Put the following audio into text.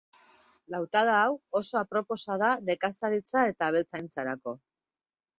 Lautada hau oso aproposa da nekazaritza eta abeltzaintzarako.